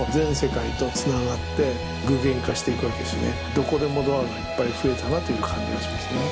どこでもドアがいっぱい増えたなという感じがしますね。